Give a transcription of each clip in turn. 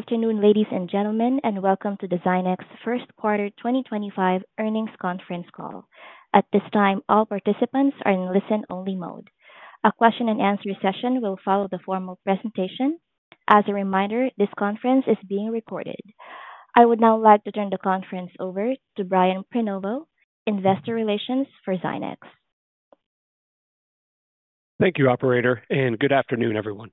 Good afternoon, ladies and gentlemen, and welcome to the Zynex First Quarter 2025 earnings conference call. At this time, all participants are in listen-only mode. A question-and-answer session will follow the formal presentation. As a reminder, this conference is being recorded. I would now like to turn the conference over to Brian Prenoveau, Investor Relations for Zynex. Thank you, Operator, and good afternoon, everyone.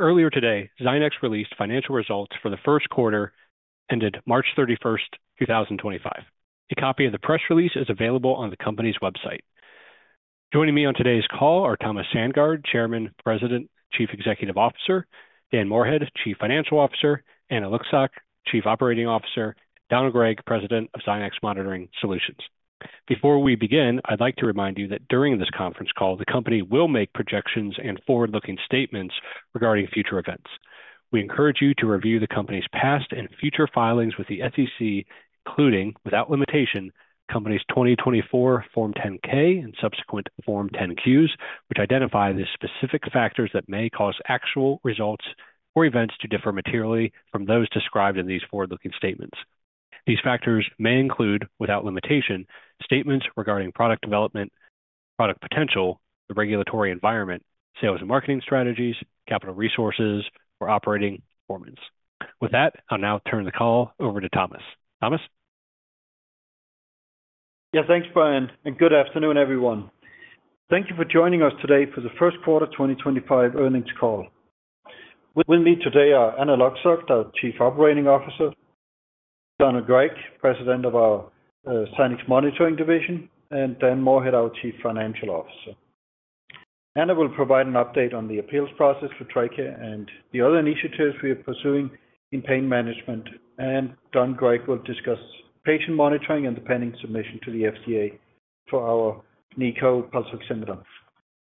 Earlier today, Zynex released financial results for the first quarter ended March 31, 2025. A copy of the press release is available on the company's website. Joining me on today's call are Thomas Sandgaard, Chairman, President, Chief Executive Officer; Dan Moorhead, Chief Financial Officer; Anna Lucsok, Chief Operating Officer; and Donald Gregg, President of Zynex Monitoring Solutions. Before we begin, I'd like to remind you that during this conference call, the company will make projections and forward-looking statements regarding future events. We encourage you to review the company's past and future filings with the SEC, including, without limitation, the company's 2024 Form 10-K and subsequent Form 10-Qs, which identify the specific factors that may cause actual results or events to differ materially from those described in these forward-looking statements. These factors may include, without limitation, statements regarding product development, product potential, the regulatory environment, sales and marketing strategies, capital resources, or operating performance. With that, I'll now turn the call over to Thomas. Thomas? Yeah, thanks, Brian, and good afternoon, everyone. Thank you for joining us today for the first quarter 2025 earnings call. With me today are Anna Lucsok, our Chief Operating Officer; Donald Gregg, President of our Zynex Monitoring Division; and Dan Moorhead, our Chief Financial Officer. Anna will provide an update on the appeals process for TRICARE and the other initiatives we are pursuing in pain management, and Don Gregg will discuss patient monitoring and the pending submission to the FDA for our Nico Pulse Oximeter.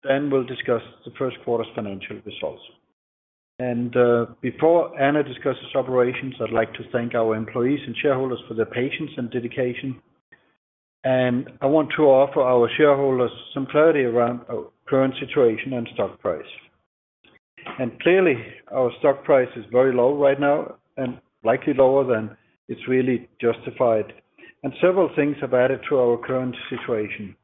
We will discuss the first quarter's financial results. Before Anna discusses operations, I'd like to thank our employees and shareholders for their patience and dedication. I want to offer our shareholders some clarity around our current situation and stock price. Clearly, our stock price is very low right now and likely lower than it's really justified. Several things have added to our current situation.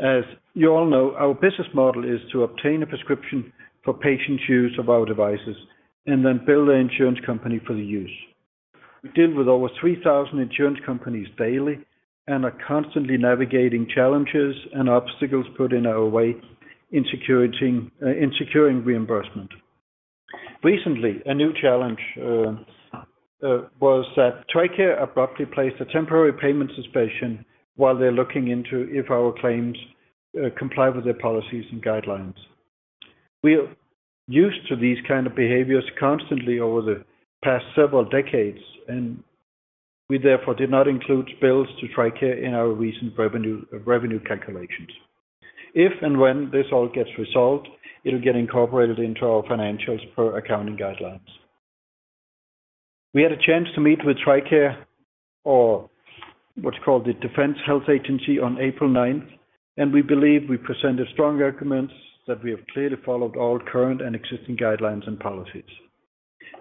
As you all know, our business model is to obtain a prescription for patient use of our devices and then bill the insurance company for the use. We deal with over 3,000 insurance companies daily and are constantly navigating challenges and obstacles put in our way in securing reimbursement. Recently, a new challenge was that TRICARE abruptly placed a temporary payment suspension while they're looking into if our claims comply with their policies and guidelines. We're used to these kinds of behaviors constantly over the past several decades, and we therefore did not include bills to TRICARE in our recent revenue calculations. If and when this all gets resolved, it'll get incorporated into our financials per accounting guidelines. We had a chance to meet with TRICARE, or what's called the Defense Health Agency, on April 9, and we believe we presented strong arguments that we have clearly followed all current and existing guidelines and policies.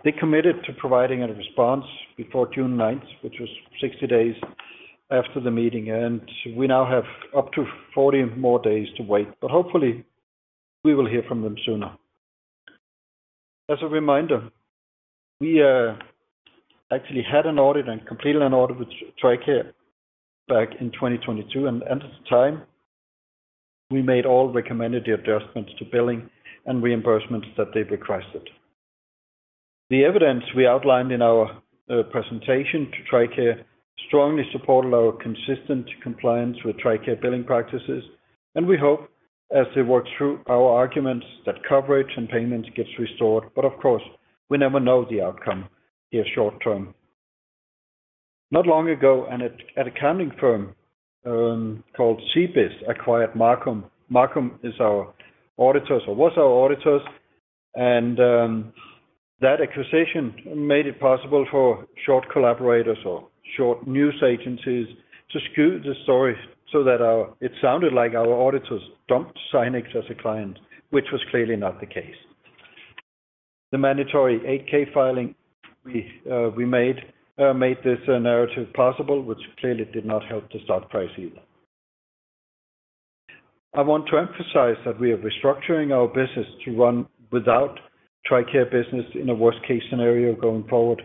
They committed to providing a response before June 9, which was 60 days after the meeting, and we now have up to 40 more days to wait. Hopefully, we will hear from them sooner. As a reminder, we actually had an audit and completed an audit with TRICARE back in 2022, and at the time, we made all recommended adjustments to billing and reimbursements that they requested. The evidence we outlined in our presentation to TRICARE strongly supported our consistent compliance with TRICARE billing practices, and we hope as they work through our arguments that coverage and payments get restored. Of course, we never know the outcome here short term. Not long ago, an accounting firm called CBIZ acquired Marcum. Marcum is our auditors or was our auditors, and that acquisition made it possible for short collaborators or short news agencies to scoot the story so that it sounded like our auditors dumped Zynex as a client, which was clearly not the case. The mandatory 8-K filing we made made this narrative possible, which clearly did not help the stock price either. I want to emphasize that we are restructuring our business to run without TRICARE business in a worst-case scenario going forward,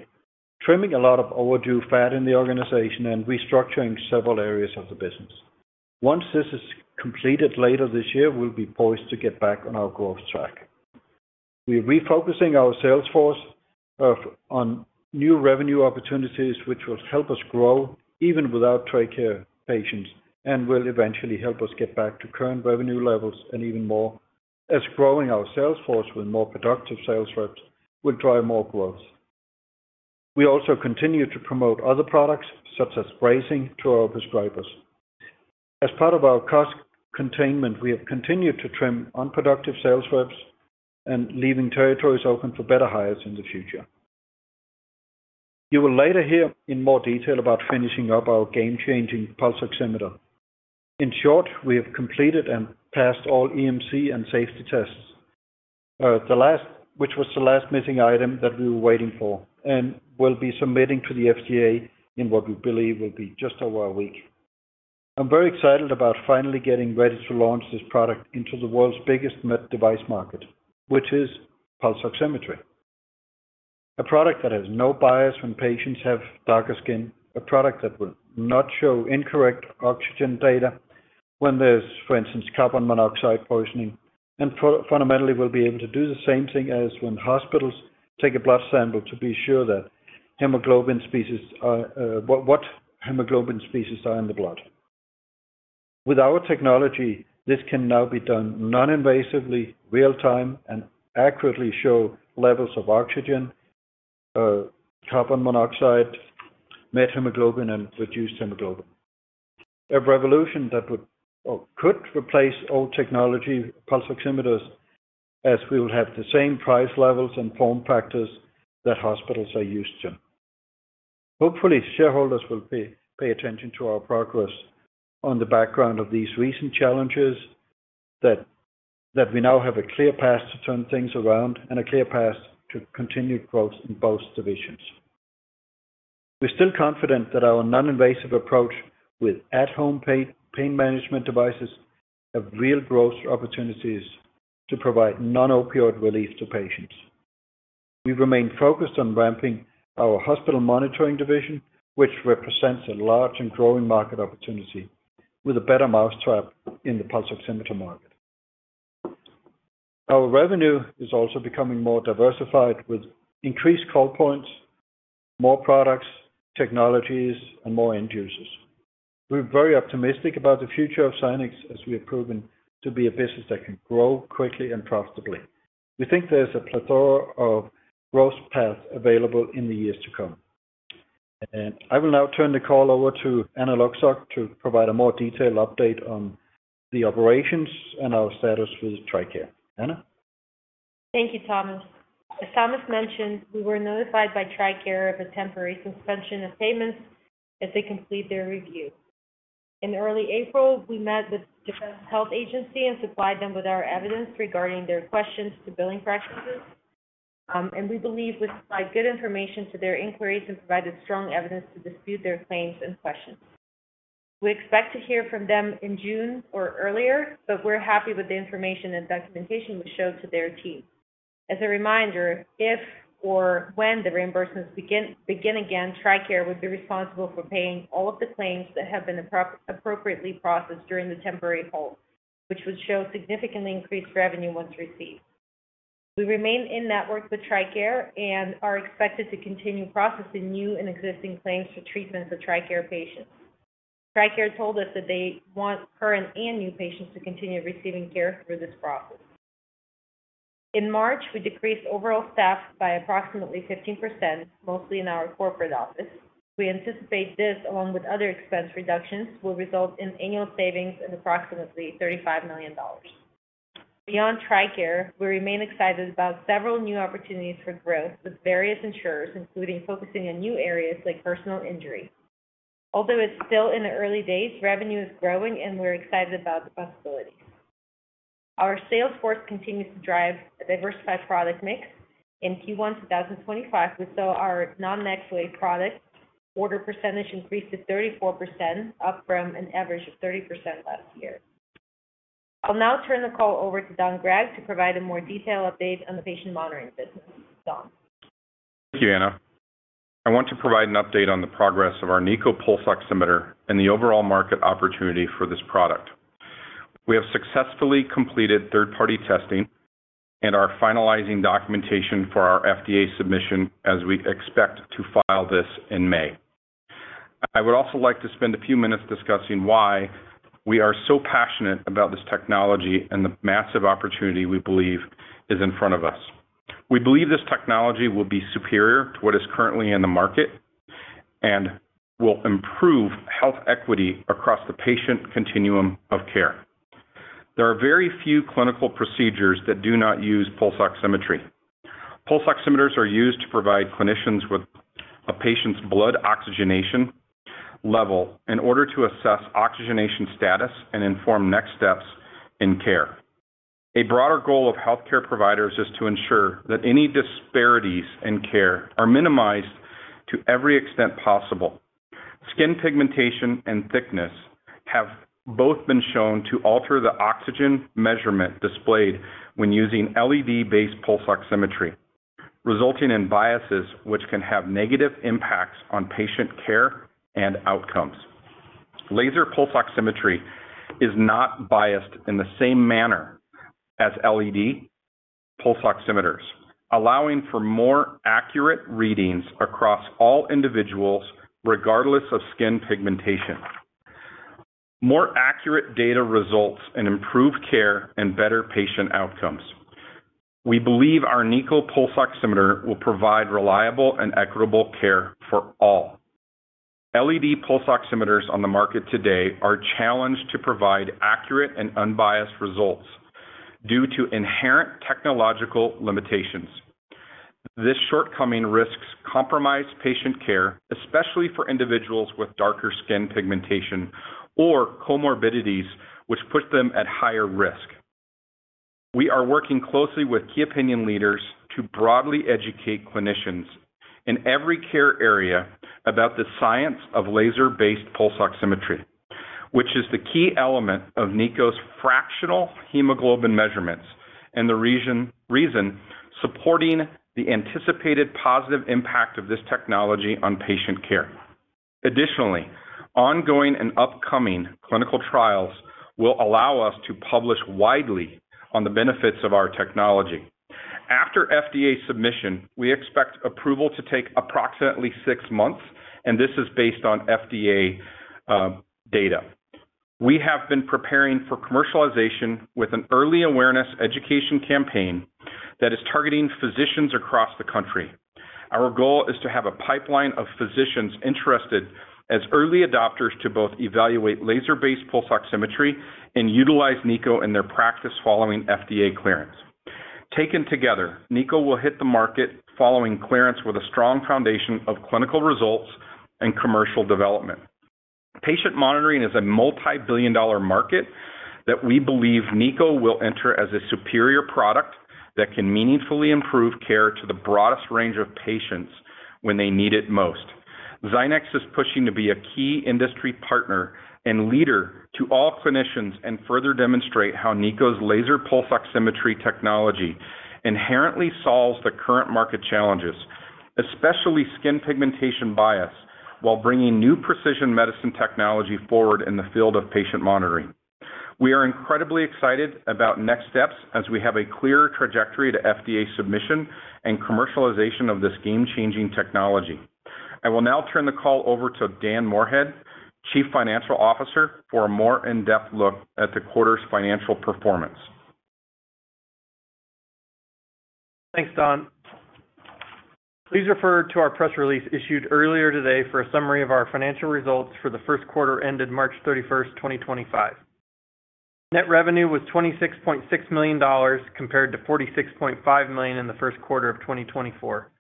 trimming a lot of overdue fat in the organization and restructuring several areas of the business. Once this is completed later this year, we'll be poised to get back on our growth track. We're refocusing our sales force on new revenue opportunities, which will help us grow even without TRICARE patients and will eventually help us get back to current revenue levels and even more as growing our sales force with more productive sales reps will drive more growth. We also continue to promote other products such as bracing to our prescribers. As part of our cost containment, we have continued to trim unproductive sales reps and leaving territories open for better hires in the future. You will later hear in more detail about finishing up our game-changing Pulse Oximeter. In short, we have completed and passed all EMC and safety tests, which was the last missing item that we were waiting for and will be submitting to the FDA in what we believe will be just over a week. I'm very excited about finally getting ready to launch this product into the world's biggest device market, which is Pulse Oximetry. A product that has no bias when patients have darker skin, a product that will not show incorrect oxygen data when there's, for instance, carbon monoxide poisoning, and fundamentally will be able to do the same thing as when hospitals take a blood sample to be sure that what hemoglobin species are in the blood. With our technology, this can now be done non-invasively, real-time, and accurately show levels of oxygen, carbon monoxide, methemoglobin, and reduced hemoglobin. A revolution that could replace old technology Pulse Oximeters as we will have the same price levels and form factors that hospitals are used to. Hopefully, shareholders will pay attention to our progress on the background of these recent challenges that we now have a clear path to turn things around and a clear path to continued growth in both divisions. We're still confident that our non-invasive approach with at-home pain management devices have real growth opportunities to provide non-opioid relief to patients. We've remained focused on ramping our hospital monitoring division, which represents a large and growing market opportunity with a better mousetrap in the Pulse Oximeter market. Our revenue is also becoming more diversified with increased call points, more products, technologies, and more end users. We're very optimistic about the future of Zynex as we have proven to be a business that can grow quickly and profitably. We think there's a plethora of growth paths available in the years to come. I will now turn the call over to Anna Lucsok to provide a more detailed update on the operations and our status with TRICARE. Anna? Thank you, Thomas. As Thomas mentioned, we were notified by TRICARE of a temporary suspension of payments as they complete their review. In early April, we met with the Defense Health Agency and supplied them with our evidence regarding their questions to billing practices. We believe we supplied good information to their inquiries and provided strong evidence to dispute their claims and questions. We expect to hear from them in June or earlier, but we're happy with the information and documentation we showed to their team. As a reminder, if or when the reimbursements begin again, TRICARE would be responsible for paying all of the claims that have been appropriately processed during the temporary hold, which would show significantly increased revenue once received. We remain in network with TRICARE and are expected to continue processing new and existing claims for treatments of TRICARE patients. TRICARE told us that they want current and new patients to continue receiving care through this process. In March, we decreased overall staff by approximately 15%, mostly in our corporate office. We anticipate this, along with other expense reductions, will result in annual savings of approximately $35 million. Beyond TRICARE, we remain excited about several new opportunities for growth with various insurers, including focusing on new areas like personal injury. Although it's still in the early days, revenue is growing, and we're excited about the possibilities. Our sales force continues to drive a diversified product mix. In Q1 2025, we saw our non-NextWave product order percentage increase to 34%, up from an average of 30% last year. I'll now turn the call over to Don Gregg to provide a more detailed update on the patient monitoring business. Don? Thank you, Anna. I want to provide an update on the progress of our Nico Pulse Oximeter and the overall market opportunity for this product. We have successfully completed third-party testing and are finalizing documentation for our FDA submission as we expect to file this in May. I would also like to spend a few minutes discussing why we are so passionate about this technology and the massive opportunity we believe is in front of us. We believe this technology will be superior to what is currently in the market and will improve health equity across the patient continuum of care. There are very few clinical procedures that do not use Pulse Oximetry. Pulse Oximeters are used to provide clinicians with a patient's blood oxygenation level in order to assess oxygenation status and inform next steps in care. A broader goal of healthcare providers is to ensure that any disparities in care are minimized to every extent possible. Skin pigmentation and thickness have both been shown to alter the oxygen measurement displayed when using LED-based Pulse Oximetry, resulting in biases which can have negative impacts on patient care and outcomes. Laser Pulse Oximetry is not biased in the same manner as LED Pulse Oximeters, allowing for more accurate readings across all individuals regardless of skin pigmentation. More accurate data results in improved care and better patient outcomes. We believe our Nico Pulse Oximeter will provide reliable and equitable care for all. LED Pulse Oximeters on the market today are challenged to provide accurate and unbiased results due to inherent technological limitations. This shortcoming risks compromising patient care, especially for individuals with darker skin pigmentation or comorbidities, which put them at higher risk. We are working closely with key opinion leaders to broadly educate clinicians in every care area about the science of laser-based Pulse Oximetry, which is the key element of Nico's fractional hemoglobin measurements and the reason supporting the anticipated positive impact of this technology on patient care. Additionally, ongoing and upcoming clinical trials will allow us to publish widely on the benefits of our technology. After FDA submission, we expect approval to take approximately six months, and this is based on FDA data. We have been preparing for commercialization with an early awareness education campaign that is targeting physicians across the country. Our goal is to have a pipeline of physicians interested as early adopters to both evaluate laser-based Pulse Oximetry and utilize Nico in their practice following FDA clearance. Taken together, Nico will hit the market following clearance with a strong foundation of clinical results and commercial development. Patient monitoring is a multi-billion dollar market that we believe Nico will enter as a superior product that can meaningfully improve care to the broadest range of patients when they need it most. Zynex is pushing to be a key industry partner and leader to all clinicians and further demonstrate how Nico's laser Pulse Oximetry technology inherently solves the current market challenges, especially skin pigmentation bias, while bringing new precision medicine technology forward in the field of patient monitoring. We are incredibly excited about next steps as we have a clear trajectory to FDA submission and commercialization of this game-changing technology. I will now turn the call over to Dan Moorhead, Chief Financial Officer, for a more in-depth look at the quarter's financial performance. Thanks, Don. Please refer to our press release issued earlier today for a summary of our financial results for the first quarter ended March 31, 2025. Net revenue was $26.6 million compared to $46.5 million in the first quarter of 2024.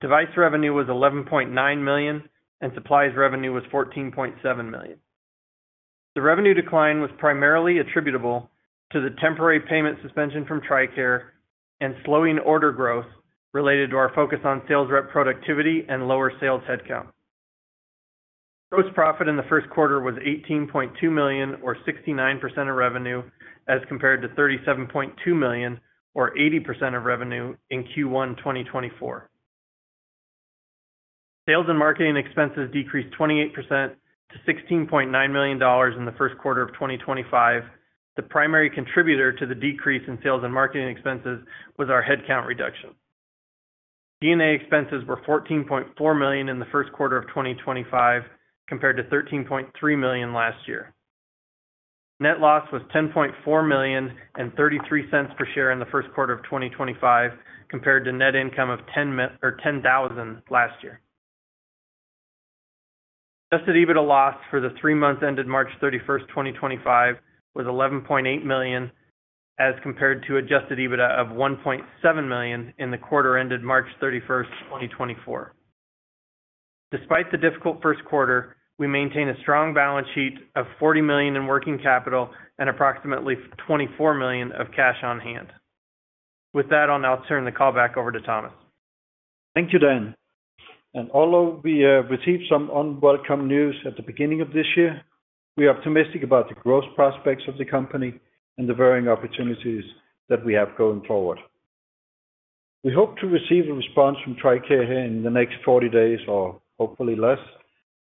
Device revenue was $11.9 million, and supplies revenue was $14.7 million. The revenue decline was primarily attributable to the temporary payment suspension from TRICARE and slowing order growth related to our focus on sales rep productivity and lower sales headcount. Gross profit in the first quarter was $18.2 million, or 69% of revenue, as compared to $37.2 million, or 80% of revenue in Q1 2024. Sales and marketing expenses decreased 28% to $16.9 million in the first quarter of 2025. The primary contributor to the decrease in sales and marketing expenses was our headcount reduction. DNA expenses were $14.4 million in the first quarter of 2025 compared to $13.3 million last year. Net loss was $10.4 million and $0.33 per share in the first quarter of 2025 compared to net income of $10,000 last year. Adjusted EBITDA loss for the three months ended March 31, 2025, was $11.8 million, as compared to adjusted EBITDA of $1.7 million in the quarter ended March 31, 2024. Despite the difficult first quarter, we maintain a strong balance sheet of $40 million in working capital and approximately $24 million of cash on hand. With that, I'll now turn the call back over to Thomas. Thank you, Dan. Although we have received some unwelcome news at the beginning of this year, we are optimistic about the growth prospects of the company and the varying opportunities that we have going forward. We hope to receive a response from TRICARE here in the next 40 days or hopefully less,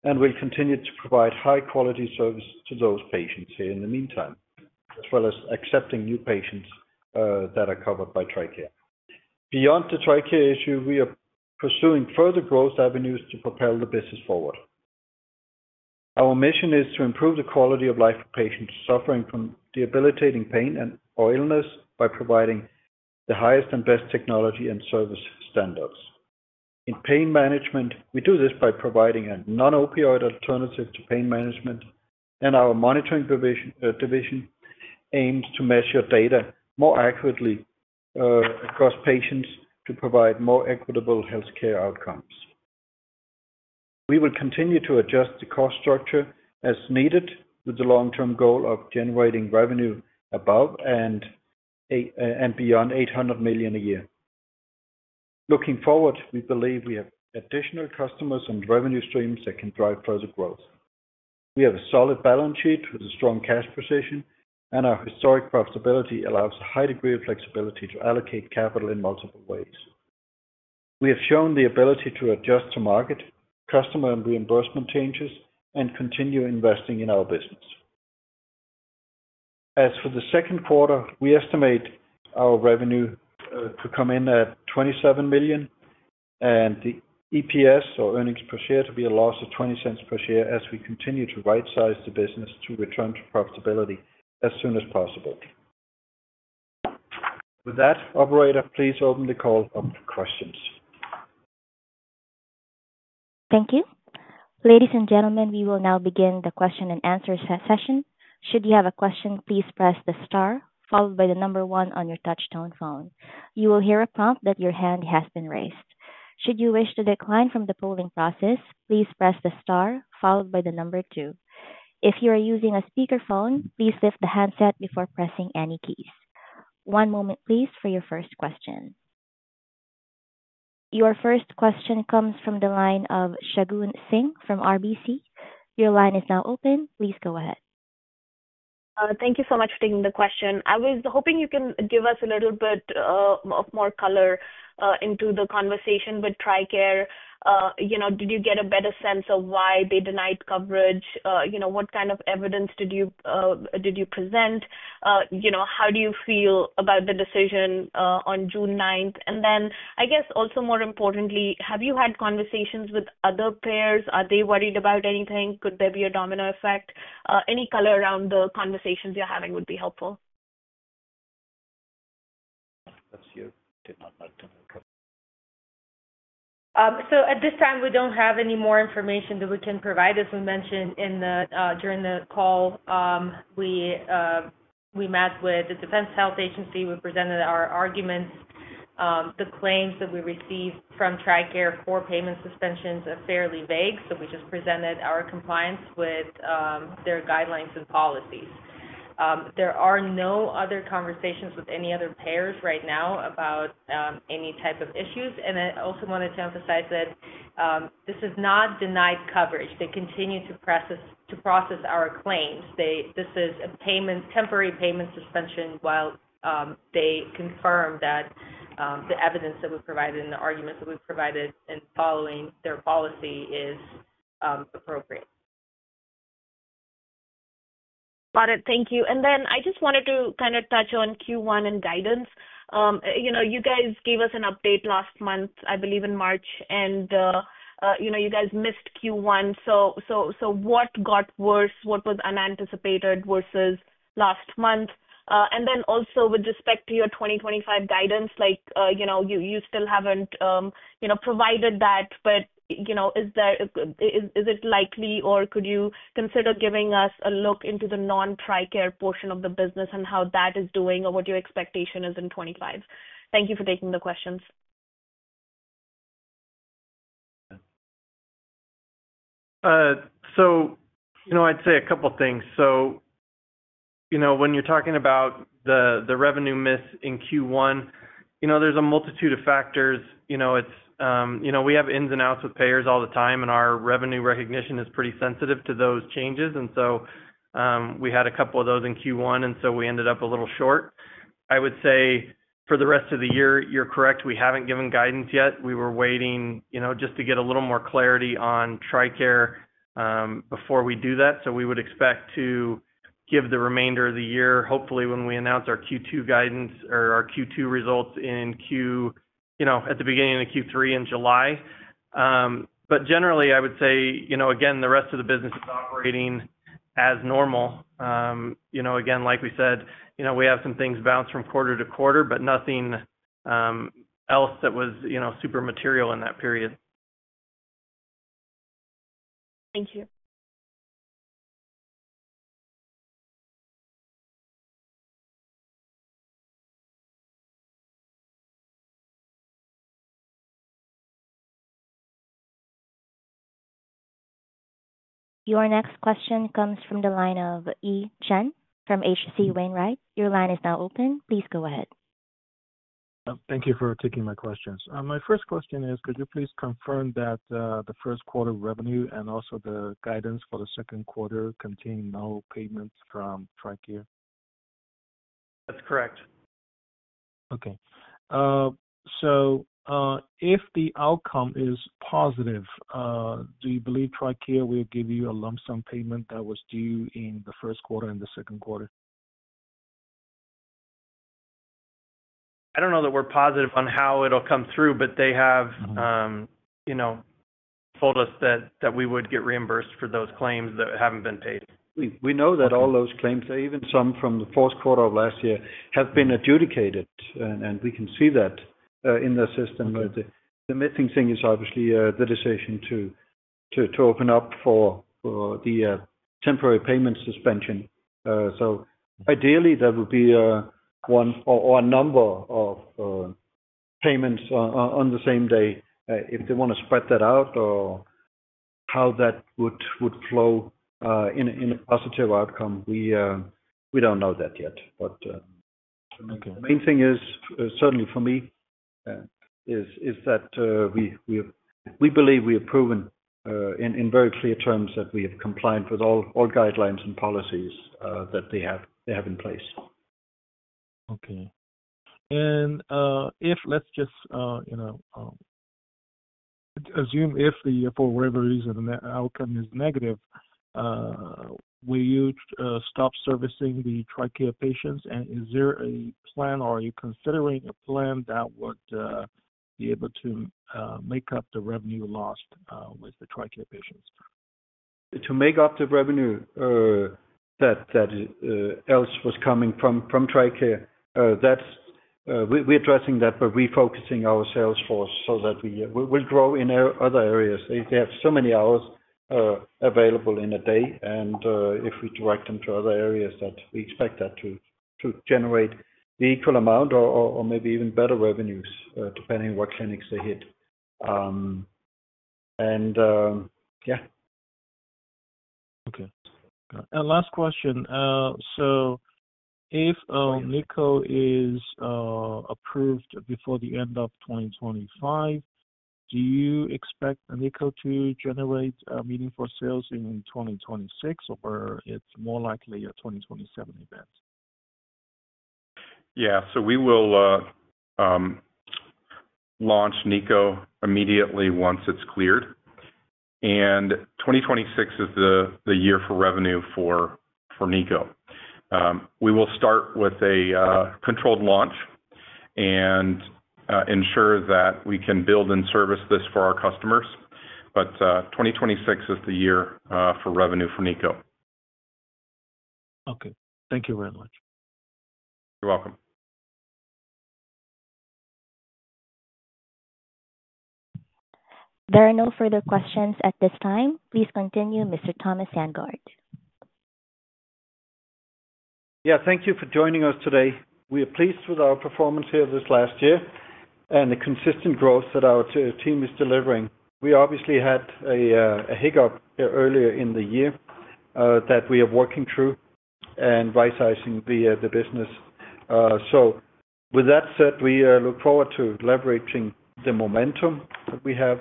and we'll continue to provide high-quality service to those patients here in the meantime, as well as accepting new patients that are covered by TRICARE. Beyond the TRICARE issue, we are pursuing further growth avenues to propel the business forward. Our mission is to improve the quality of life for patients suffering from debilitating pain or illness by providing the highest and best technology and service standards. In pain management, we do this by providing a non-opioid alternative to pain management, and our monitoring division aims to measure data more accurately across patients to provide more equitable healthcare outcomes. We will continue to adjust the cost structure as needed with the long-term goal of generating revenue above and beyond $800 million a year. Looking forward, we believe we have additional customers and revenue streams that can drive further growth. We have a solid balance sheet with a strong cash position, and our historic profitability allows a high degree of flexibility to allocate capital in multiple ways. We have shown the ability to adjust to market, customer and reimbursement changes, and continue investing in our business. As for the second quarter, we estimate our revenue to come in at $27 million and the EPS, or earnings per share, to be a loss of $0.20 per share as we continue to right-size the business to return to profitability as soon as possible. With that, operator, please open the call up to questions. Thank you. Ladies and gentlemen, we will now begin the question and answer session. Should you have a question, please press the star, followed by the number one on your touch-tone phone. You will hear a prompt that your hand has been raised. Should you wish to decline from the polling process, please press the star, followed by the number two. If you are using a speakerphone, please lift the handset before pressing any keys. One moment, please, for your first question. Your first question comes from the line of Shagoon Singh from RBC Capital Markets. Your line is now open. Please go ahead. Thank you so much for taking the question. I was hoping you can give us a little bit of more color into the conversation with TRICARE. Did you get a better sense of why they denied coverage? What kind of evidence did you present? How do you feel about the decision on June 9? I guess also more importantly, have you had conversations with other payers? Are they worried about anything? Could there be a domino effect? Any color around the conversations you're having would be helpful. That's you. I did not like to know. At this time, we do not have any more information that we can provide. As we mentioned during the call, we met with the Defense Health Agency. We presented our arguments. The claims that we received from TRICARE for payment suspensions are fairly vague, so we just presented our compliance with their guidelines and policies. There are no other conversations with any other payers right now about any type of issues. I also wanted to emphasize that this is not denied coverage. They continue to process our claims. This is a temporary payment suspension while they confirm that the evidence that we provided and the arguments that we provided in following their policy is appropriate. Got it. Thank you. I just wanted to kind of touch on Q1 and guidance. You guys gave us an update last month, I believe, in March, and you guys missed Q1.What got worse? What was unanticipated versus last month? Also, with respect to your 2025 guidance, you still have not provided that, but is it likely, or could you consider giving us a look into the non-TRICARE portion of the business and how that is doing or what your expectation is in 2025? Thank you for taking the questions. I'd say a couple of things. When you're talking about the revenue miss in Q1, there's a multitude of factors. We have ins and outs with payers all the time, and our revenue recognition is pretty sensitive to those changes. We had a couple of those in Q1, and we ended up a little short. I would say for the rest of the year, you're correct. We haven't given guidance yet. We were waiting just to get a little more clarity on TRICARE before we do that. We would expect to give the remainder of the year, hopefully when we announce our Q2 guidance or our Q2 results at the beginning of Q3 in July. Generally, I would say, again, the rest of the business is operating as normal. Again, like we said, we have some things bounce from quarter to quarter, but nothing else that was super material in that period. Thank you. Your next question comes from the line of Yi Chen from H.C. Wainwright. Your line is now open. Please go ahead. Thank you for taking my questions. My first question is, could you please confirm that the first quarter revenue and also the guidance for the second quarter contain no payments from TRICARE? That's correct. Okay. If the outcome is positive, do you believe TRICARE will give you a lump sum payment that was due in the first quarter and the second quarter? I don't know that we're positive on how it'll come through, but they have told us that we would get reimbursed for those claims that haven't been paid. We know that all those claims, even some from the fourth quarter of last year, have been adjudicated, and we can see that in the system. The missing thing is obviously the decision to open up for the temporary payment suspension. Ideally, there would be one or a number of payments on the same day. If they want to spread that out or how that would flow in a positive outcome, we do not know that yet. The main thing is, certainly for me, is that we believe we have proven in very clear terms that we have complied with all guidelines and policies that they have in place. Okay. Let's just assume if for whatever reason the outcome is negative, will you stop servicing the TRICARE patients? Is there a plan, or are you considering a plan that would be able to make up the revenue lost with the TRICARE patients? To make up the revenue that else was coming from TRICARE, we're addressing that by refocusing our sales force so that we will grow in other areas. They have so many hours available in a day, and if we direct them to other areas, we expect that to generate the equal amount or maybe even better revenues depending on what clinics they hit. Yeah. Okay. Last question. If NICO is approved before the end of 2025, do you expect NICO to generate a meaning for sales in 2026, or it's more likely a 2027 event? Yeah. We will launch NICO immediately once it's cleared. 2026 is the year for revenue for NICO. We will start with a controlled launch and ensure that we can build and service this for our customers. 2026 is the year for revenue for NICO. Okay. Thank you very much. You're welcome. There are no further questions at this time. Please continue, Mr. Thomas Sandgaard. Yeah. Thank you for joining us today. We are pleased with our performance here this last year and the consistent growth that our team is delivering. We obviously had a hiccup earlier in the year that we are working through and right-sizing the business. With that said, we look forward to leveraging the momentum that we have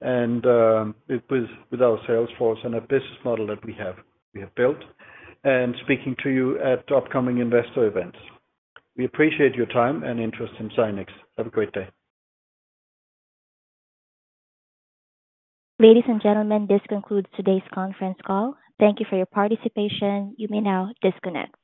with our sales force and the business model that we have built. Speaking to you at upcoming investor events. We appreciate your time and interest in Zynex. Have a great day. Ladies and gentlemen, this concludes today's conference call. Thank you for your participation. You may now disconnect.